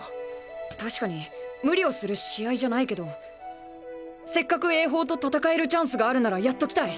確かに無理をする試合じゃないけどせっかく英邦と戦えるチャンスがあるならやっときたい。